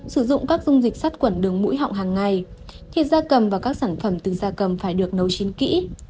sử dụng các dung dịch sát quẩn đường mũi họng hàng ngày thịt gia cầm và các sản phẩm từ gia cầm phải được nấu chín kỹ